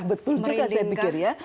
betul juga saya pikir ya